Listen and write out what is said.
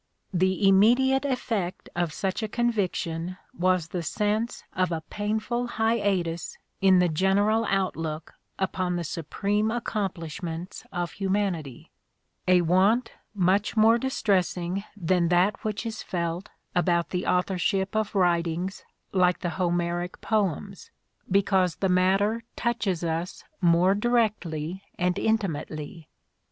The immediate effect of such a conviction was the sense of a painful hiatus in the general outlook upon the supreme accomplishments of humanity ; a want much more distressing than that which is felt about the authorship of writings like the Homeric poems, 16 INTRODUCTION because the matter touches us more directly and intimately.